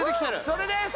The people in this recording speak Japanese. それです！